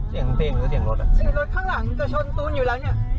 หนีจะละว้างเตร็จหล่ะ